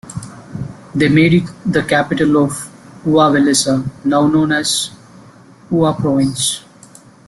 They made it the capital of Uva Wellassa, now known as the Uva Province.